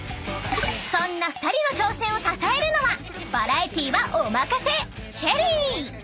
［そんな２人の挑戦を支えるのはバラエティーはお任せ］